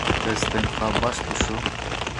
Destên xwe baş bişo.